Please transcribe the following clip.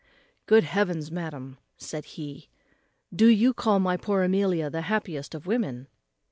"Good heavens! madam," said he, "do you call my poor Amelia the happiest of women?"